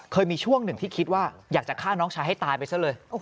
เคยมีช่วงหนึ่งที่คิดว่าอยากจะฆ่าน้องชายให้ตายไปซะเลย